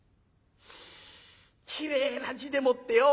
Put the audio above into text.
きれいな字でもってよ。